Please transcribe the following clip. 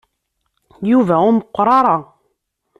Yuba ur meqqer ara.